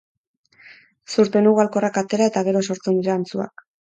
Zurtoin ugalkorrak atera eta gero sortzen dira antzuak.